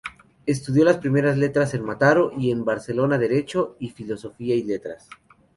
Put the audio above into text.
Estudió las primeras letras en Mataró y en Barcelona Derecho y Filosofía y letras.